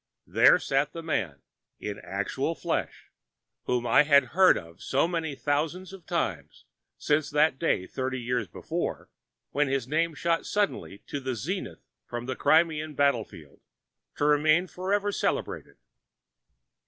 There sat the man, in actual flesh, whom I had heard of so many thousands of times since that day, thirty years before, when his name shot suddenly to the zenith from a Crimean battle field, to remain for ever celebrated.